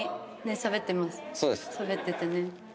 しゃべっててね。